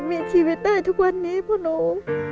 มีชีวิตได้ทุกวันนี้พ่อหนู